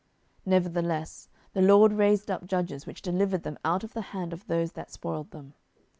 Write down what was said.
07:002:016 Nevertheless the LORD raised up judges, which delivered them out of the hand of those that spoiled them.